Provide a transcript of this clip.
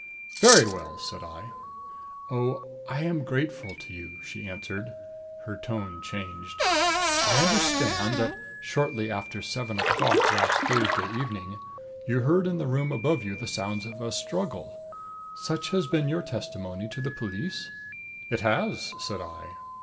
"Very well," said I. "Oh I am grateful to you," she answered. Her tone changed. "I understand that, shortly after seven o'clock last Thursday evening, you heard in the room above you the sounds of a struggle. Such has been your testimony to the police?" "It has," said I.